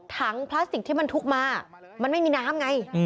พลาสติกที่มันทุกมามันไม่มีน้ำไง